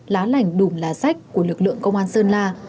lá lành đùm lá sách của lực lượng công an sơn la